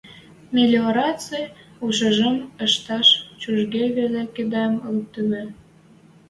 Мелиораци ушемӹм ӹштӓш цужге веле кидӹм лӱктевӹ.